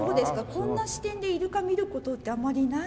こんな視点でイルカ見る事ってあまりない。